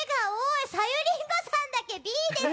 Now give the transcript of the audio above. さゆりんごさんだけＢです。